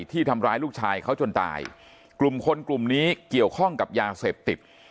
ที่ทำร้ายลูกชายเขาจนตายกลุ่มคนกลุ่มนี้เกี่ยวข้องกับยาเสพติด